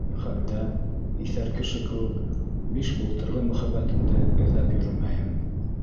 Һәр хәлдә, иҫәр кеше кеүек биш былтырғы мөхәббәтемде эҙләп йөрөмәйем.